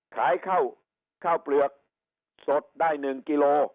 ขายข้าวเปลือกสดได้๑กิโล